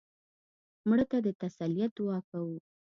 مړه ته د تسلیت دعا کوو